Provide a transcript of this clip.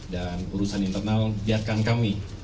dan urusan internal biarkan kami